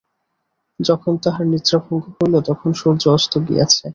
যখন তাহার নিদ্রাভঙ্গ হইল তখন সূর্য অস্ত গিয়াছে।